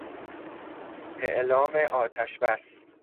اعلام آتش بس